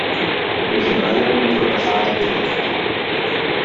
He was an Honorary Member of Phi Beta Kappa.